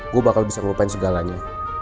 gue bakal bisa ngupain segalanya